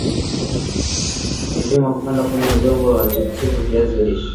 Ni vyema kupanda kwenye udongo wa tifutifu viazi lishe